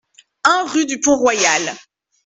un rue du Pont Royal